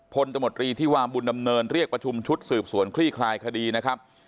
ตมตรีที่วางบุญดำเนินเรียกประชุมชุดสืบสวนคลี่คลายคดีนะครับ